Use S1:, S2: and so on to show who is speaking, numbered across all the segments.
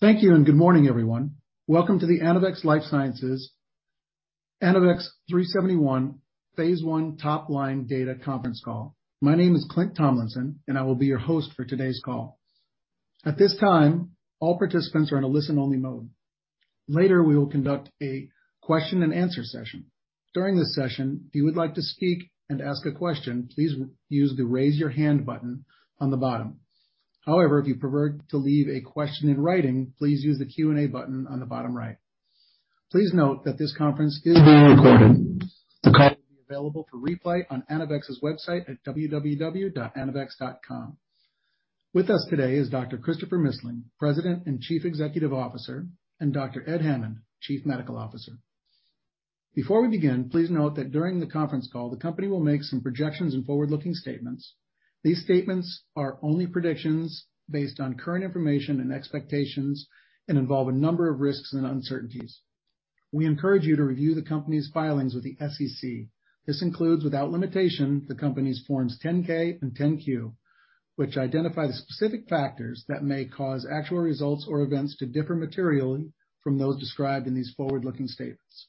S1: Thank you and good morning, everyone. Welcome to the Anavex Life Sciences ANAVEX 3-71 phase I top line data conference call. My name is Clint Tomlinson and I will be your host for today's call. At this time, all participants are on a listen-only mode. Later, we will conduct a question and answer session. During this session, if you would like to speak and ask a question, please use the raise your hand button on the bottom. However, if you prefer to leave a question in writing, please use the Q&A button on the bottom right. Please note that this conference is being recorded. The call will be available for replay on Anavex's website at www.anavex.com. With us today is Dr. Christopher Missling, President and Chief Executive Officer, and Dr. Ed Hammond, Chief Medical Officer. Before we begin, please note that during the conference call, the company will make some projections and forward-looking statements. These statements are only predictions based on current information and expectations and involve a number of risks and uncertainties. We encourage you to review the company's filings with the SEC. This includes, without limitation, the company's Forms 10-K and 10-Q, which identify the specific factors that may cause actual results or events to differ materially from those described in these forward-looking statements.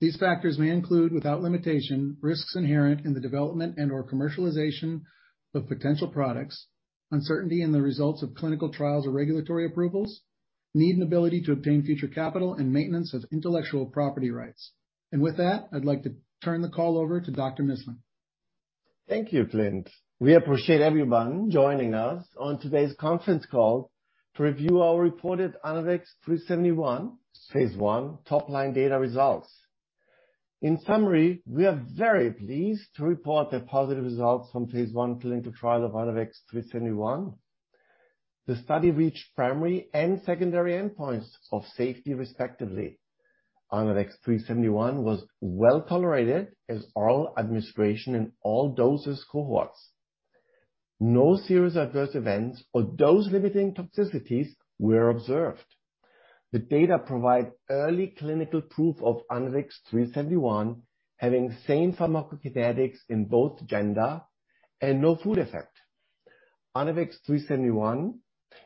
S1: These factors may include, without limitation, risks inherent in the development and/or commercialization of potential products, uncertainty in the results of clinical trials or regulatory approvals, need and ability to obtain future capital and maintenance of intellectual property rights. With that, I'd like to turn the call over to Dr. Missling.
S2: Thank you, Clint. We appreciate everyone joining us on today's conference call to review our reported ANAVEX®3-71 phase I top-line data results. In summary, we are very pleased to report the positive results from phase I clinical trial of ANAVEX®3-71. The study reached primary and secondary endpoints of safety, respectively. ANAVEX®3-71 was well-tolerated as oral administration in all doses cohorts. No serious adverse events or dose-limiting toxicities were observed. The data provide early clinical proof of ANAVEX®3-71 having same pharmacokinetics in both gender and no food effect. ANAVEX®3-71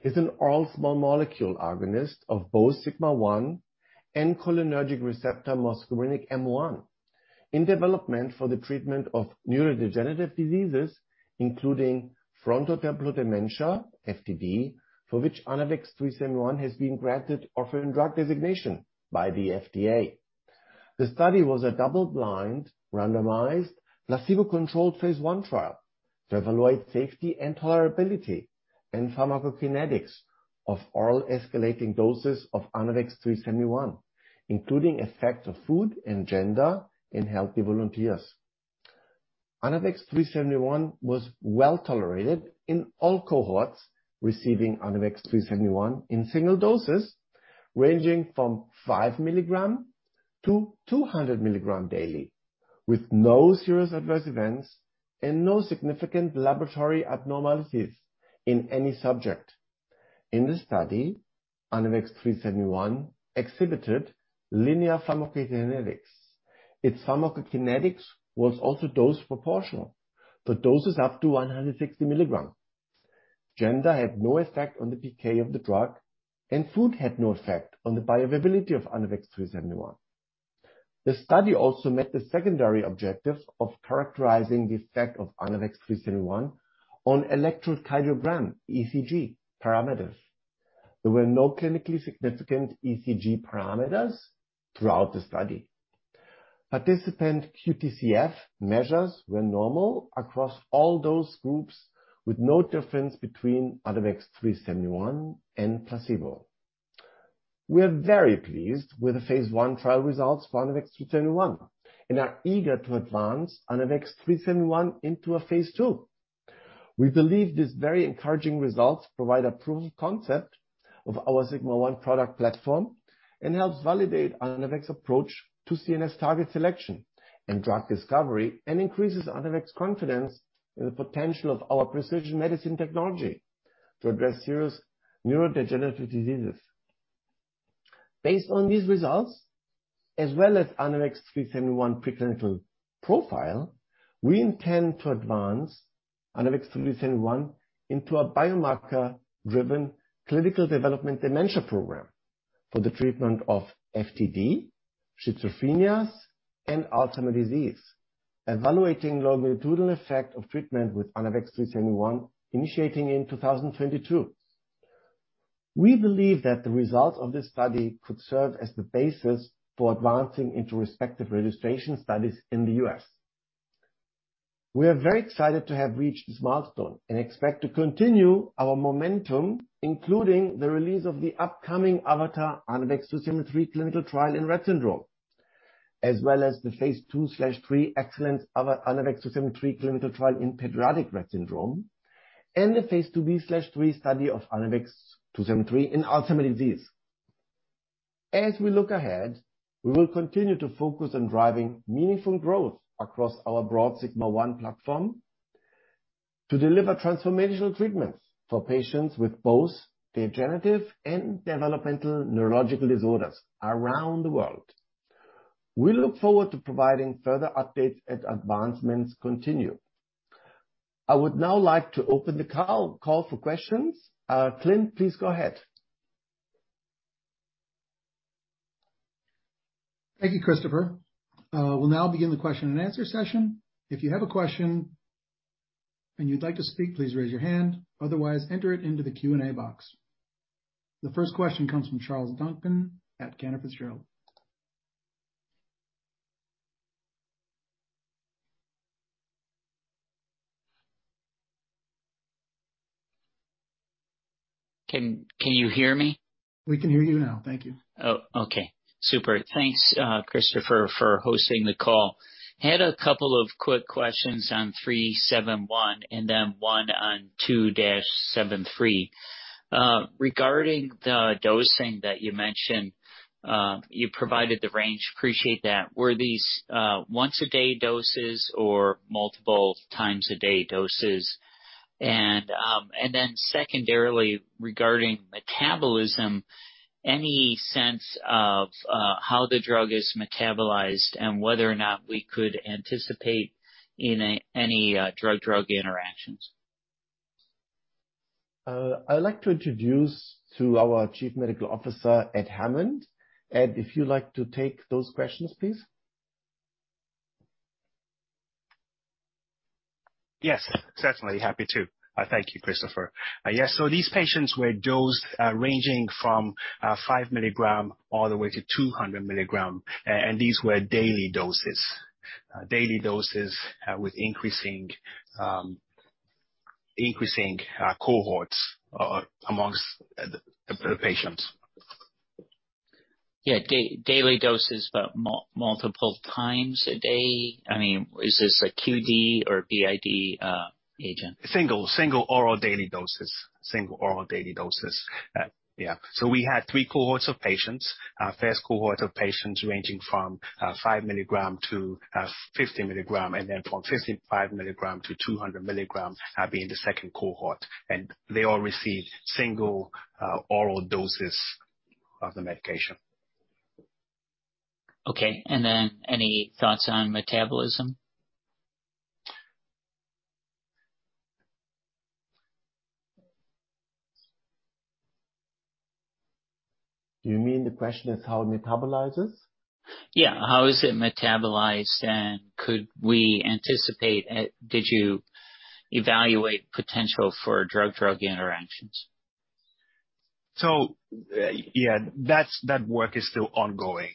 S2: is an oral small molecule agonist of both sigma-1 and cholinergic receptor muscarinic M1 in development for the treatment of neurodegenerative diseases, including frontotemporal dementia, FTD, for which ANAVEX®3-71 has been granted orphan drug designation by the FDA. The study was a double-blind, randomized, placebo-controlled phase I trial to evaluate safety and tolerability and pharmacokinetics of oral escalating doses of ANAVEX 3-71, including effects of food and gender in healthy volunteers. ANAVEX 3-71 was well-tolerated in all cohorts receiving ANAVEX 3-71 in single doses ranging from 5 mg-200 mg daily, with no serious adverse events and no significant laboratory abnormalities in any subject. In this study, ANAVEX 3-71 exhibited linear pharmacokinetics. Its pharmacokinetics was also dose proportional for doses up to 160 mg. Gender had no effect on the PK of the drug, and food had no effect on the bioavailability of ANAVEX 3-71. The study also met the secondary objective of characterizing the effect of ANAVEX 3-71 on electrocardiogram, ECG parameters. There were no clinically significant ECG parameters throughout the study. Participant QTCF measures were normal across all those groups with no difference between ANAVEX®3-71 and placebo. We are very pleased with the phase I trial results for ANAVEX®3-71 and are eager to advance ANAVEX®3-71 into a phase II. We believe these very encouraging results provide a proof of concept of our sigma-1 product platform and helps validate Anavex approach to CNS target selection and drug discovery, and increases Anavex confidence in the potential of our precision medicine technology to address serious neurodegenerative diseases. Based on these results, as well as ANAVEX 3-71 preclinical profile, we intend to advance ANAVEX 3-71 into a biomarker-driven clinical development dementia program for the treatment of FTD, schizophrenia, and Alzheimer's disease, evaluating longitudinal effect of treatment with ANAVEX 3-71 initiating in 2022. We believe that the results of this study could serve as the basis for advancing into respective registration studies in the U.S. We are very excited to have reached this milestone and expect to continue our momentum, including the release of the upcoming AVATAR ANAVEX 2-73 clinical trial in Rett syndrome, as well as the phase II/III EXCELLENCE ANAVEX 2-73 clinical trial in pediatric Rett syndrome, and the phase IIb/III study of ANAVEX 2-73 in Alzheimer's disease. As we look ahead, we will continue to focus on driving meaningful growth across our broad sigma-1 platform to deliver transformational treatments for patients with both degenerative and developmental neurological disorders around the world. We look forward to providing further updates as advancements continue. I would now like to open the call for questions. Clint, please go ahead.
S1: Thank you, Christopher. We'll now begin the question and answer session. If you have a question and you'd like to speak, please raise your hand. Otherwise, enter it into the Q&A box. The first question comes from Charles Duncan at Cantor Fitzgerald.
S3: Can you hear me?
S1: We can hear you now. Thank you.
S3: Oh, okay. Super. Thanks, Christopher, for hosting the call. Had a couple of quick questions on 3-71 and then one on 2-73. Regarding the dosing that you mentioned, you provided the range. Appreciate that. Were these once a day doses or multiple times a day doses? And then secondarily, regarding metabolism, any sense of how the drug is metabolized and whether or not we could anticipate any drug-drug interactions?
S2: I'd like to introduce to our Chief Medical Officer, Edward Hammond. Ed, if you'd like to take those questions, please.
S4: Yes, certainly. Happy to. Thank you, Christopher. Yes. These patients were dosed, ranging from 5 milligrams all the way to 200 milligrams. These were daily doses with increasing cohorts among the patients.
S3: Yeah, daily doses, but multiple times a day. I mean, is this a QD or BID agent?
S4: Single oral daily doses. Yeah. We had three cohorts of patients. Our first cohort of patients ranging from 5-50 mg, and then from 55-200 mg being the second cohort. They all received single oral doses of the medication.
S3: Okay. Any thoughts on metabolism?
S2: Do you mean the question is how it metabolizes?
S3: Yeah. How is it metabolized, and could we anticipate, did you evaluate potential for drug-drug interactions?
S4: That's that work is still ongoing.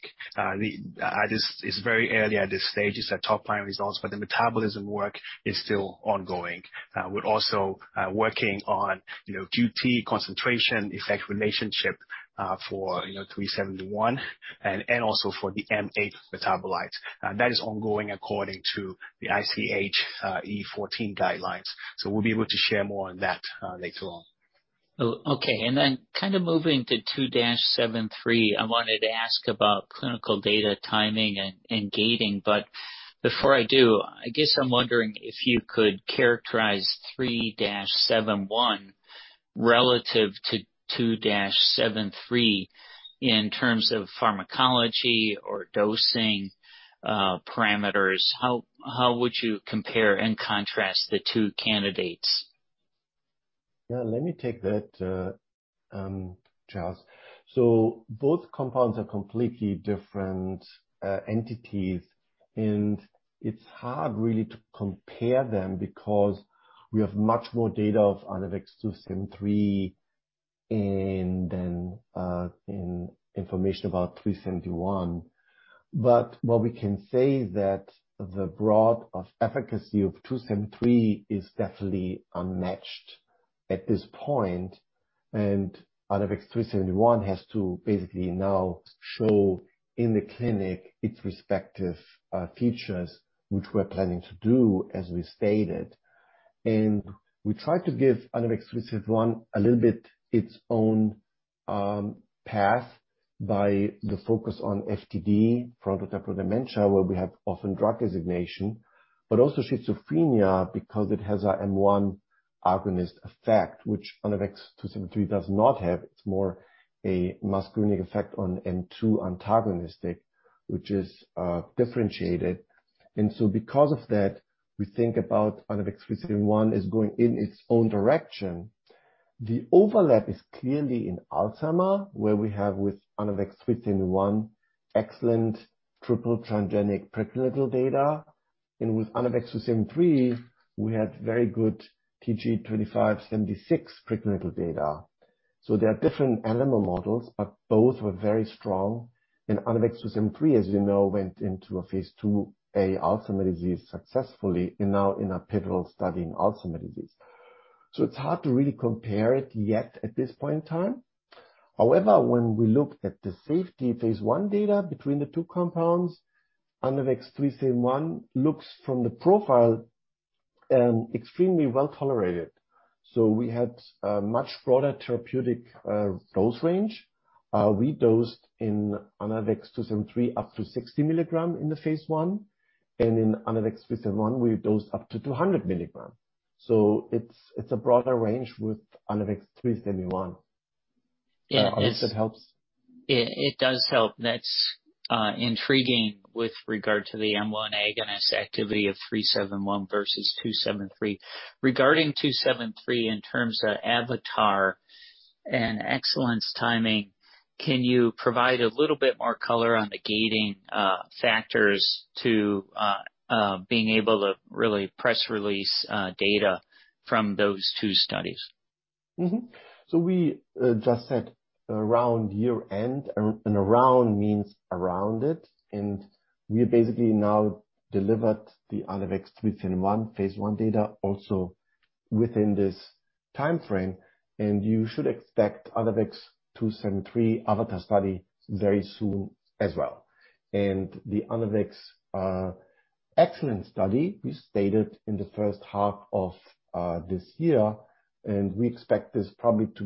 S4: This is very early at this stage. These are top-line results, but the metabolism work is still ongoing. We're also working on, you know, the concentration-effect relationship for, you know, 371 and also for the M8 metabolites. That is ongoing according to the ICH E14 guidelines. We'll be able to share more on that later on.
S3: Oh, okay. Then kind of moving to two dash seven three, I wanted to ask about clinical data timing and gating. But before I do, I guess I'm wondering if you could characterize three dash seven one relative to two dash seven three in terms of pharmacology or dosing, parameters. How would you compare and contrast the two candidates?
S2: Yeah, let me take that, Charles. Both compounds are completely different entities, and it's hard really to compare them because we have much more data of ANAVEX 2-73 than in information about 3-71. What we can say is that the breadth of efficacy of 2-73 is definitely unmatched at this point, and ANAVEX 3-71 has to basically now show in the clinic its respective features, which we're planning to do, as we stated. We try to give ANAVEX 3-71 a little bit its own path by the focus on FTD, frontotemporal dementia, where we have orphan drug designation, but also schizophrenia because it has an M1 agonist effect, which ANAVEX 2-73 does not have. It's more a muscarinic effect on M2 antagonist, which is differentiated. Because of that, we think about ANAVEX 3-71 as going in its own direction. The overlap is clearly in Alzheimer's, where we have with ANAVEX 3-71 excellent triple transgenic preclinical data. With ANAVEX 2-73, we had very good Tg2576 preclinical data. They are different animal models, but both were very strong. ANAVEX 2-73, as you know, went into a phase IIa Alzheimer's disease successfully and now in a pivotal study in Alzheimer's disease. It's hard to really compare it yet at this point in time. However, when we look at the safety phase I data between the two compounds, ANAVEX 3-71 looks from the profile extremely well-tolerated. We had a much broader therapeutic dose range. We dosed in ANAVEX®2-73 up to 60 milligrams in the phase I, and in ANAVEX®3-71, we dosed up to 200 milligrams. It's a broader range with ANAVEX®3-71.
S3: Yeah.
S2: If it helps.
S3: It does help. That's intriguing with regard to the M1 agonist activity of 3-71 versus 2-73. Regarding 2-73 in terms of AVATAR and EXCELLENCE timing, can you provide a little bit more color on the gating factors to being able to really press release data from those two studies?
S2: We just said around year-end, and around means around it, and we basically now delivered the ANAVEX® 3-71 phase I data also within this timeframe. You should expect ANAVEX® 2-73 AVATAR study very soon as well. The Anavex EXCELLENCE study, we started in the first half of this year, and we expect this probably to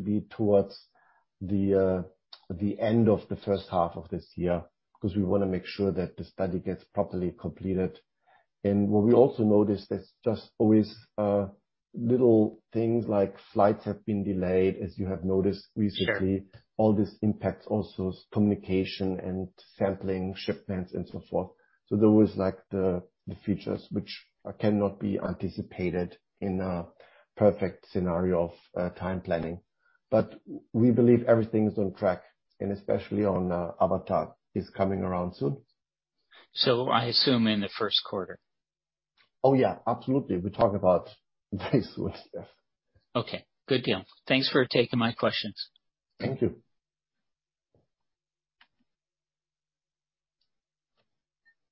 S2: be towards the end of the first half of this year, 'cause we wanna make sure that the study gets properly completed. What we also noticed, there's just always little things like flights have been delayed, as you have noticed recently.
S3: Sure.
S2: All this impacts also communication and sampling, shipments and so forth. There was like the features which cannot be anticipated in a perfect scenario of time planning. We believe everything is on track and especially on AVATAR is coming around soon.
S3: I assume in the first quarter.
S2: Oh, yeah, absolutely. We talk about very soon, yes.
S3: Okay. Good deal. Thanks for taking my questions.
S2: Thank you.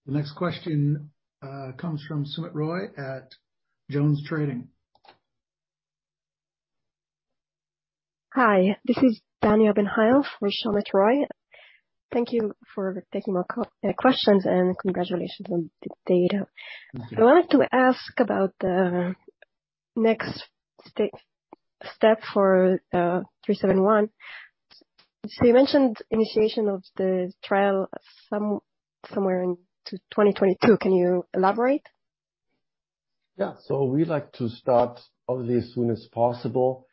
S1: The next question comes from Soumit Roy at JonesTrading.
S5: Hi, this is Tanya Benhaim for Soumit Roy. Thank you for taking my questions and congratulations on the data.
S2: Mm-hmm.
S5: I wanted to ask about the next step for 3-71. You mentioned initiation of the trial somewhere in 2022. Can you elaborate?
S2: Yeah. We like to start obviously as soon as possible.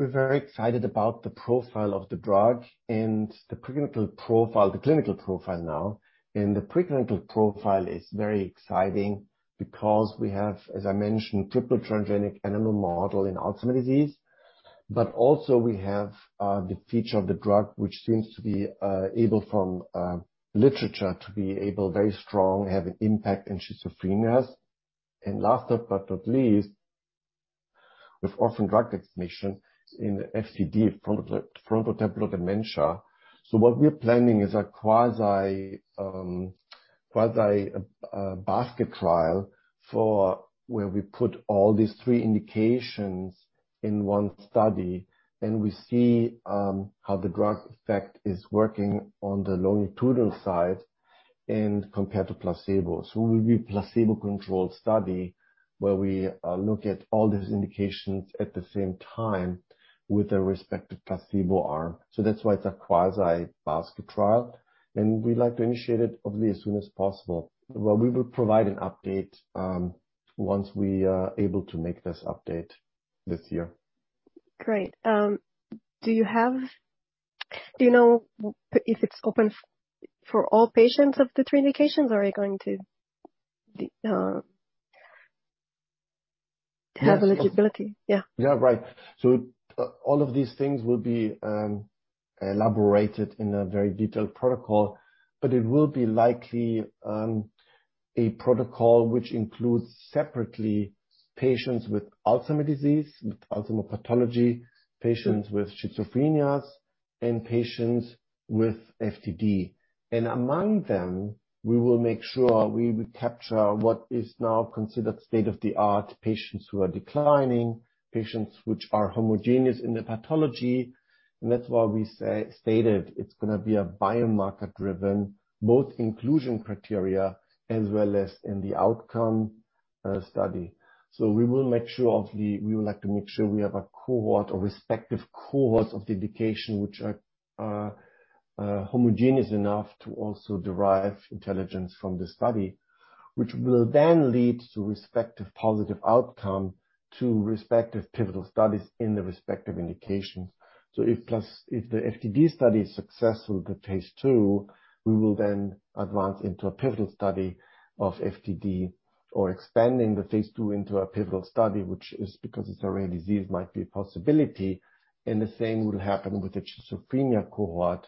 S2: We're very excited about the profile of the drug and the preclinical profile, the clinical profile now. The preclinical profile is very exciting because we have, as I mentioned, triple transgenic animal model in Alzheimer's disease, but also we have the feature of the drug which seems to be able from literature to be able very strong have an impact in schizophrenia. Last but not least, with orphan drug designation in FTD, frontotemporal dementia. What we're planning is a quasi basket trial for where we put all these three indications in one study and we see how the drug effect is working on the longitudinal side and compared to placebo. It will be placebo-controlled study where we look at all these indications at the same time with the respective placebo arm. That's why it's a quasi-basket trial, and we like to initiate it obviously as soon as possible. Well, we will provide an update, once we are able to make this update this year.
S5: Great. Do you know if it's open for all patients of the three indications or are you going to have eligibility? Yeah.
S2: Yeah. Right. All of these things will be elaborated in a very detailed protocol, but it will be likely a protocol which includes separately patients with Alzheimer's disease, with Alzheimer's pathology, patients with schizophrenia and patients with FTD. Among them we will make sure we would capture what is now considered state-of-the-art patients who are declining, patients which are homogeneous in their pathology. That's why we stated it's gonna be a biomarker-driven, both inclusion criteria as well as in the outcome study. We will make sure obviously we would like to make sure we have a cohort or respective cohorts of the indication which are homogeneous enough to also derive intelligence from the study, which will then lead to respective positive outcome to respective pivotal studies in the respective indications. If the FTD study is successful, the phase II, we will then advance into a pivotal study of FTD or expanding the phase II into a pivotal study, which is because it's a rare disease might be a possibility and the same will happen with the schizophrenia cohort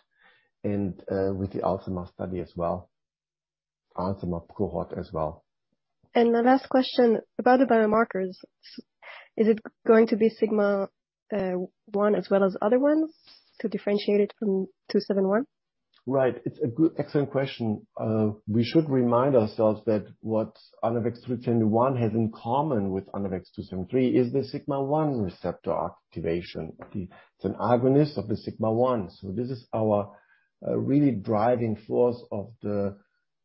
S2: and with the Alzheimer's study as well, Alzheimer's cohort as well.
S5: The last question about the biomarkers. Is it going to be sigma-1 as well as other ones to differentiate it from 271?
S2: Right. It's a good, excellent question. We should remind ourselves that what ANAVEX 3-71 has in common with ANAVEX 2-73 is the sigma-1 receptor activation. It's an agonist of the sigma-1. This is our really driving force of the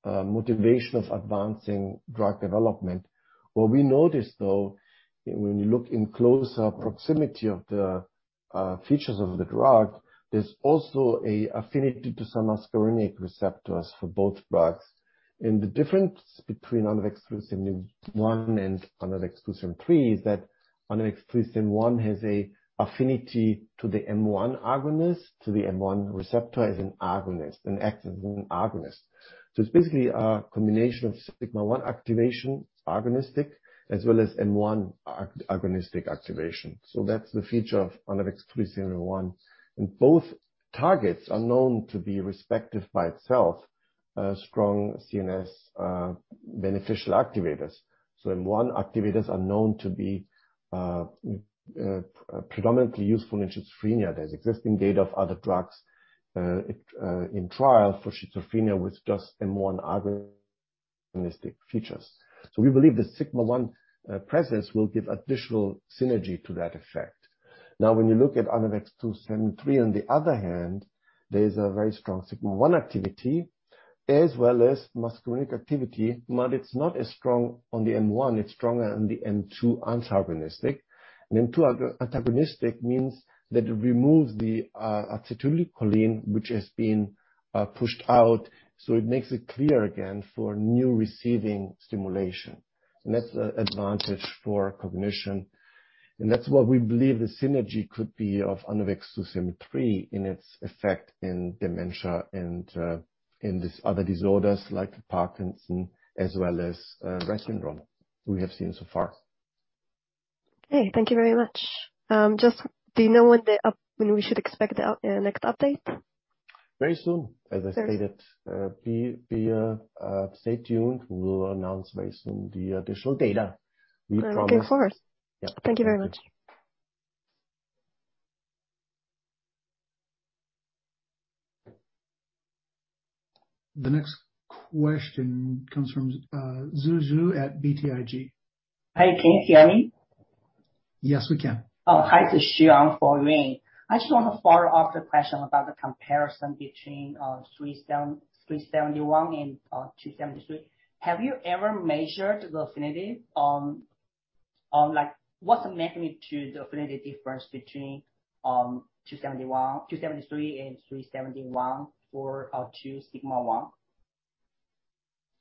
S2: motivation of advancing drug development. What we noticed though, when you look in closer proximity of the features of the drug, there's also an affinity to some muscarinic receptors for both drugs. The difference between ANAVEX 3-71 and ANAVEX 2-73 is that ANAVEX 3-71 has an affinity to the M1 agonist, to the M1 receptor as an agonist, an active agonist. It's basically a combination of sigma-1 activation agonistic as well as M1 agonistic activation. That's the feature of ANAVEX 3-71. Both targets are known to be respective by itself strong CNS beneficial activators. M1 activators are known to be predominantly useful in schizophrenia. There's existing data of other drugs in trial for schizophrenia with just M1 agonistic features. We believe the sigma-1 presence will give additional synergy to that effect. Now, when you look at Anavex 2-73, on the other hand, there's a very strong sigma-1 activity as well as muscarinic activity, but it's not as strong on the M1, it's stronger on the M2 antagonistic. M2 antagonistic means that it removes the acetylcholine, which has been pushed out, so it makes it clear again for new receiving stimulation. That's an advantage for cognition and that's what we believe the synergy could be of ANAVEX 2-73 in its effect in dementia and in these other disorders like Parkinson's as well as restless legs syndrome we have seen so far.
S5: Okay. Thank you very much. Just, do you know when we should expect the next update?
S2: Very soon, as I stated.
S5: Very-
S2: Stay tuned. We will announce very soon the additional data. We promise.
S5: Okay. Of course.
S2: Yeah.
S5: Thank you very much.
S1: The next question comes from Yun Zhong at BTIG.
S6: Hi, can you hear me?
S1: Yes, we can.
S6: Oh, hi. This is Ying Huang. I just want to follow up the question about the comparison between 3-71 and 2-73. Have you ever measured the affinity on what's the magnitude of affinity difference between 2-73 and 3-71 for the sigma-1?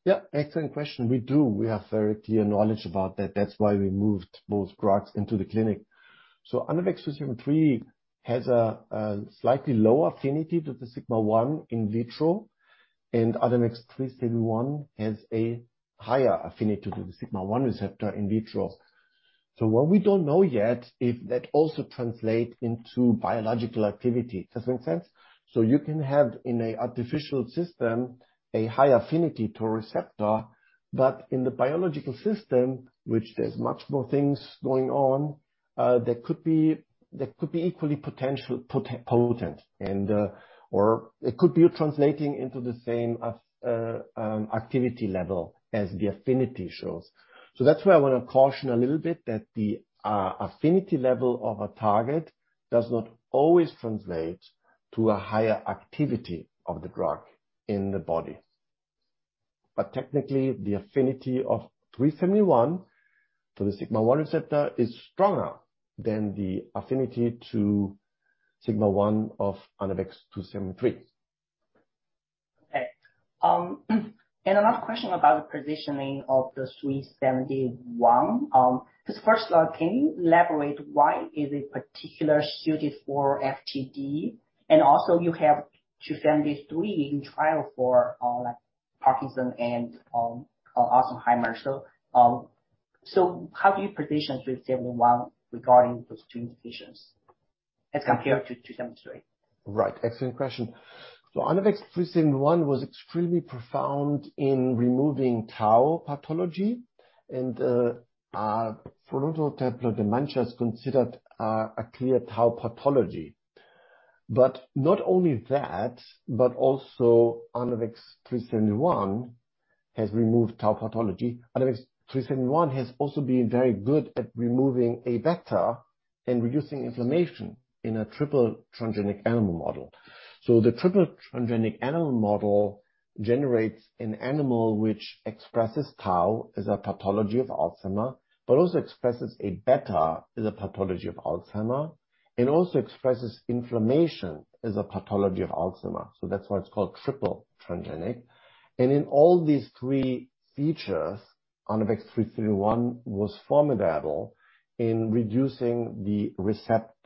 S2: Yeah, excellent question. We do. We have very clear knowledge about that. That's why we moved both drugs into the clinic. ANAVEX 2-73 has a slightly lower affinity to the sigma-1 in vitro, and ANAVEX 3-71 has a higher affinity to the sigma-1 receptor in vitro. What we don't know yet, if that also translate into biological activity. Does that make sense? You can have, in a artificial system, a high affinity to a receptor, but in the biological system, which there's much more things going on, that could be equally potent and, or it could be translating into the same activity level as the affinity shows. That's why I wanna caution a little bit that the affinity level of a target does not always translate to a higher activity of the drug in the body. Technically, the affinity of 3-71 to the sigma-1 receptor is stronger than the affinity to sigma-1 of Anavex 2-73.
S6: Okay. Another question about the positioning of the 3-71. 'Cause first off, can you elaborate why it is particular suited for FTD? And also you have 2-73 in trial for, like Parkinson and Alzheimer. How do you position 3-71 regarding those two indications as compared to 2-73?
S2: Right. Excellent question. ANAVEX 3-71 was extremely profound in removing tau pathology. Frontotemporal dementia is considered a clear tau pathology. Not only that, but also ANAVEX 3-71 has removed tau pathology. ANAVEX 3-71 has also been very good at removing amyloid beta and reducing inflammation in a triple transgenic animal model. The triple transgenic animal model generates an animal which expresses tau as a pathology of Alzheimer's, but also expresses amyloid beta as a pathology of Alzheimer's, and also expresses inflammation as a pathology of Alzheimer's. That's why it's called triple transgenic. In all these three features, ANAVEX 3-71 was formidable in reducing the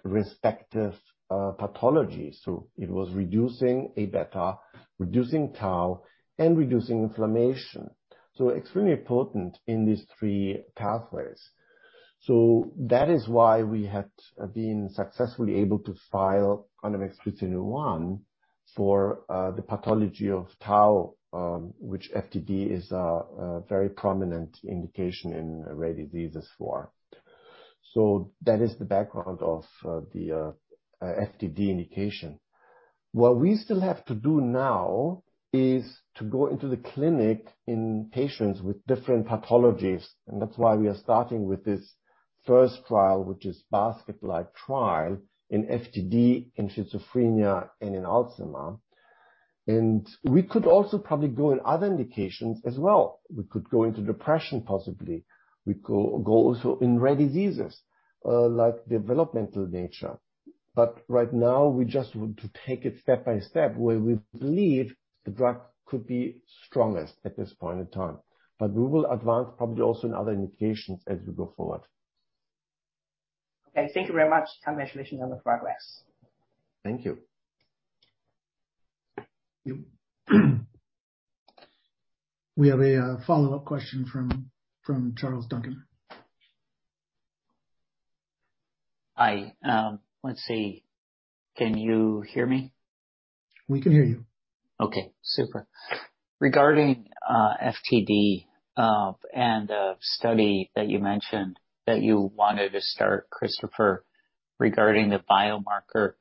S2: respective pathology. It was reducing amyloid beta, reducing tau, and reducing inflammation. Extremely potent in these three pathways. That is why we had been successfully able to file ANAVEX 3-71 for the pathology of tau, which FTD is a very prominent indication in rare diseases for. That is the background of the FTD indication. What we still have to do now is to go into the clinic in patients with different pathologies, and that's why we are starting with this first trial, which is basket-like trial in FTD, in schizophrenia, and in Alzheimer's. We could also probably go in other indications as well. We could go into depression, possibly. We go also in rare diseases like developmental nature. Right now, we just want to take it step by step where we believe the drug could be strongest at this point in time. We will advance probably also in other indications as we go forward.
S6: Okay, thank you very much. Congratulations on the progress.
S2: Thank you.
S1: We have a follow-up question from Charles Duncan.
S3: Hi. Let's see. Can you hear me?
S1: We can hear you.
S3: Okay, super. Regarding FTD and the study that you mentioned that you wanted to start, Christopher, regarding the biomarker,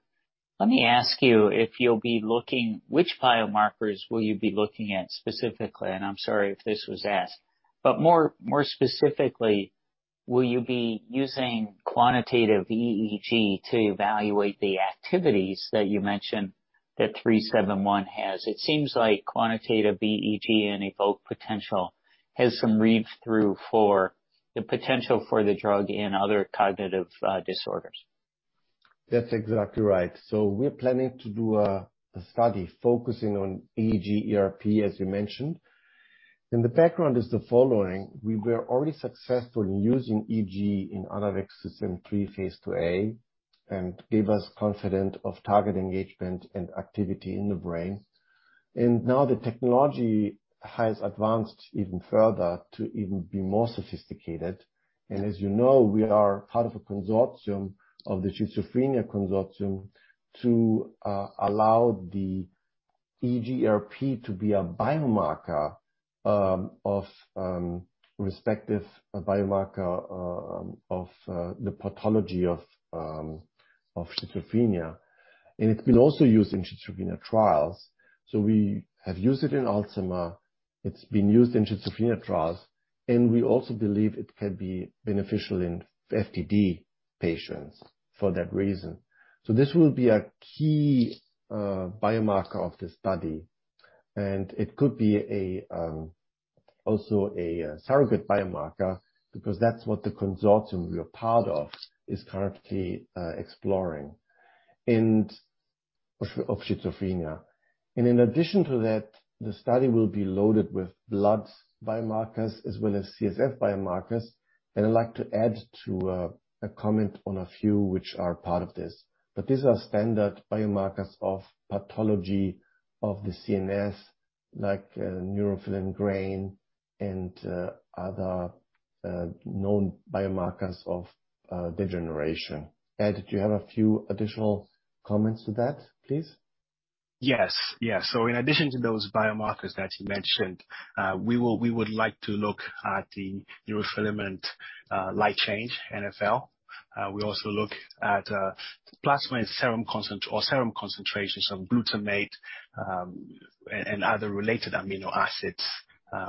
S3: let me ask you if you'll be looking. Which biomarkers will you be looking at specifically? I'm sorry if this was asked. More specifically, will you be using quantitative EEG to evaluate the activities that you mentioned that ANAVEX®3-71 has? It seems like quantitative EEG and evoked potential has some read-through for the potential for the drug in other cognitive disorders.
S2: That's exactly right. We're planning to do a study focusing on EEG/ERP, as you mentioned. The background is the following. We were already successful in using EEG in Anavex 2-73 phase IIa, and gave us confidence in target engagement and activity in the brain. Now the technology has advanced even further to even be more sophisticated. As you know, we are part of a consortium of the Schizophrenia Consortium to allow the EEG/ERP to be a biomarker of the pathology of schizophrenia. It's been also used in schizophrenia trials. We have used it in Alzheimer's. It's been used in schizophrenia trials, and we also believe it can be beneficial in FTD patients for that reason. This will be a key biomarker of the study, and it could be also a surrogate biomarker because that's what the consortium we are part of is currently exploring of schizophrenia. In addition to that, the study will be loaded with blood biomarkers as well as CSF biomarkers. I'd like to add a comment on a few which are part of this. These are standard biomarkers of pathology of the CNS, like neurofilament light chain and other known biomarkers of degeneration. Ed, do you have a few additional comments on that, please?
S4: Yes. In addition to those biomarkers that you mentioned, we would like to look at the neurofilament light chain, NfL. We also look at plasma and serum concentrations of glutamate, and other related amino acids.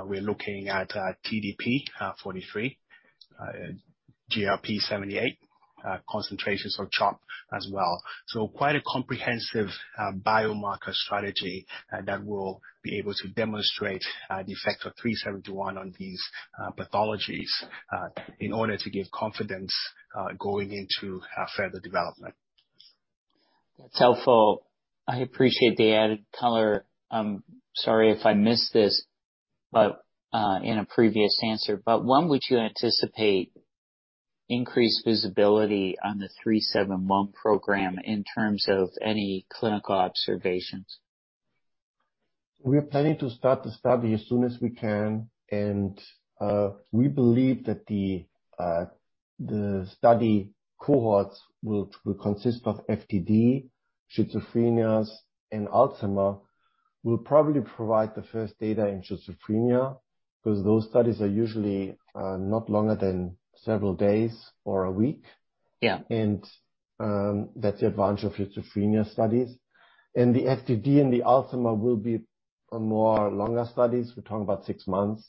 S4: We're looking at TDP-43, GRP78, concentrations of CHOP as well. Quite a comprehensive biomarker strategy that will be able to demonstrate the effect of 3-71 on these pathologies in order to give confidence going into further development.
S3: That's helpful. I appreciate the added color. I'm sorry if I missed this, but in a previous answer, when would you anticipate increased visibility on the 3-71 program in terms of any clinical observations?
S2: We're planning to start the study as soon as we can, and we believe that the study cohorts will consist of FTD, schizophrenia, and Alzheimer's. We'll probably provide the first data in schizophrenia because those studies are usually not longer than several days or a week.
S3: Yeah.
S2: That's the advantage of schizophrenia studies. The FTD and the Alzheimer's will be a more longer studies. We're talking about six months,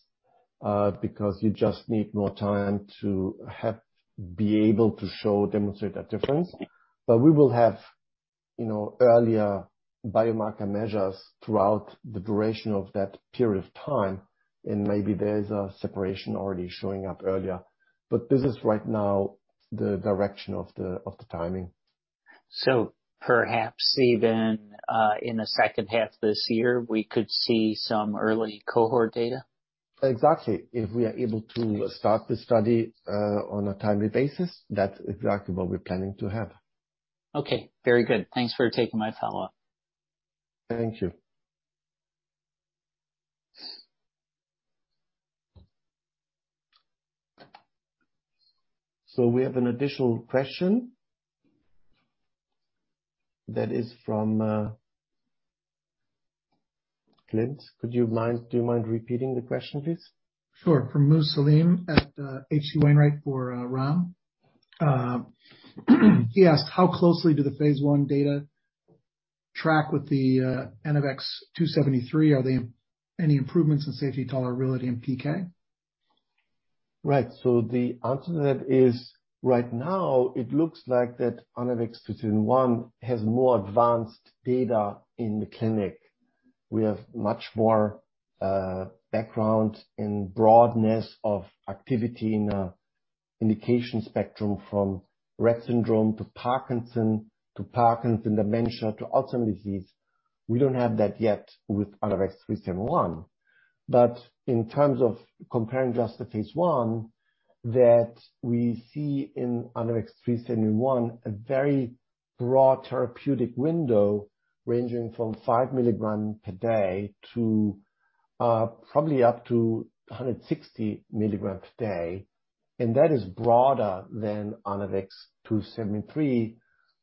S2: because you just need more time to be able to show, demonstrate that difference. We will have, you know, earlier biomarker measures throughout the duration of that period of time, and maybe there is a separation already showing up earlier. This is right now the direction of the timing.
S3: Perhaps even in the second half of this year, we could see some early cohort data?
S2: Exactly. If we are able to start the study on a timely basis, that's exactly what we're planning to have.
S3: Okay, very good. Thanks for taking my follow-up.
S2: Thank you. We have an additional question that is from Clint. Do you mind repeating the question, please?
S1: Sure. From Raghuram Selvaraju at H.C. Wainwright for Ram. He asked, how closely do the phase I data track with the ANAVEX 2-73? Are there any improvements in safety, tolerability in PK?
S2: Right. The answer to that is, right now it looks like ANAVEX® 2-73 has more advanced data in the clinic. We have much more background and broadness of activity in the indication spectrum from Rett syndrome to Parkinson's disease, to Parkinson's disease dementia, to Alzheimer's disease. We don't have that yet with ANAVEX® 3-71. In terms of comparing just the phase I, we see in ANAVEX® 3-71 a very broad therapeutic window ranging from 5 mg per day to probably up to 160 mg per day. That is broader than ANAVEX® 2-73,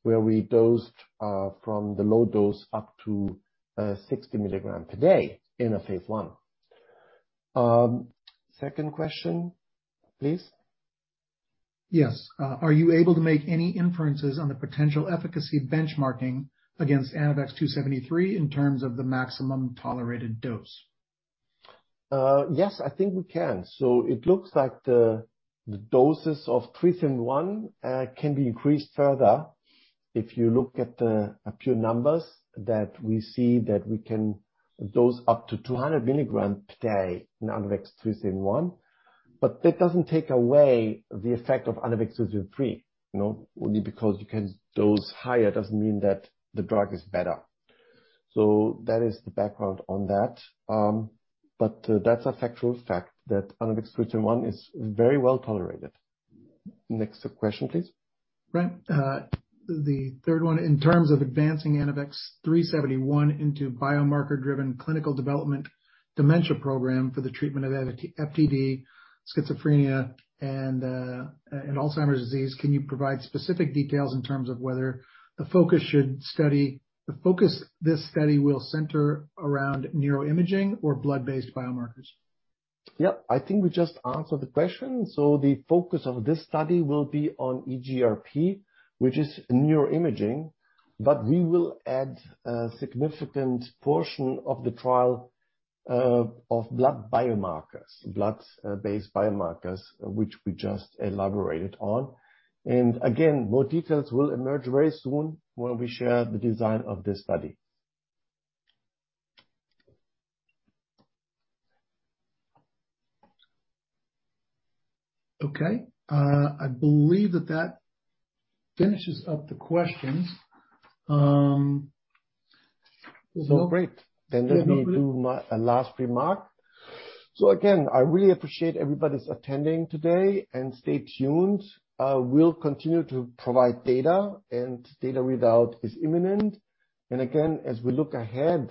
S2: where we dosed from the low dose up to 60 mg per day in a phase I. Second question, please.
S1: Yes. Are you able to make any inferences on the potential efficacy benchmarking against ANAVEX 2-73 in terms of the maximum tolerated dose?
S2: Yes, I think we can. It looks like the doses of ANAVEX 3-71 can be increased further. If you look at a few numbers that we see that we can dose up to 200 mg per day in ANAVEX 3-71, but that doesn't take away the effect of ANAVEX 2-73, you know. Only because you can dose higher doesn't mean that the drug is better. That is the background on that. That's a factual fact that ANAVEX 3-71 is very well tolerated. Next question, please.
S1: Right. The third one, in terms of advancing ANAVEX®3-71 into biomarker-driven clinical development dementia program for the treatment of FTD, schizophrenia and Alzheimer's disease, can you provide specific details in terms of whether the focus of this study will center around neuroimaging or blood-based biomarkers?
S2: Yeah. I think we just answered the question. The focus of this study will be on EEG/ERP, which is neuroimaging, but we will add a significant portion of the trial, of blood-based biomarkers, which we just elaborated on. Again, more details will emerge very soon when we share the design of this study.
S1: I believe that finishes up the questions.
S2: Oh, great.
S1: Yeah, no problem.
S2: Let me do my last remark. Again, I really appreciate everybody's attending today and stay tuned. We'll continue to provide data and data readout is imminent. Again, as we look ahead,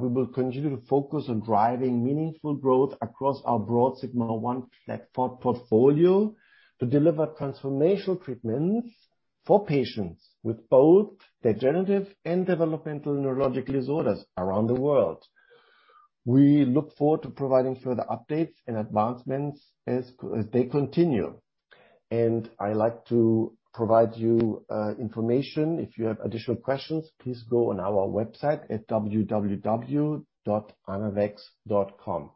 S2: we will continue to focus on driving meaningful growth across our broad sigma-1 platform portfolio to deliver transformational treatments for patients with both degenerative and developmental neurologic disorders around the world. We look forward to providing further updates and advancements as they continue. I like to provide you information. If you have additional questions, please go on our website at www.anavex.com.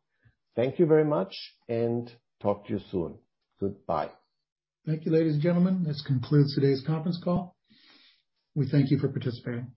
S2: Thank you very much and talk to you soon. Goodbye.
S1: Thank you, ladies and gentlemen. This concludes today's conference call. We thank you for participating.